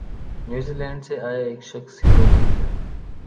نیوزی Zealand سے آیا ایک شخص ہیرو بن گیا